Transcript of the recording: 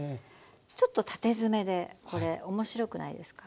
ちょっと縦詰めでこれ面白くないですか？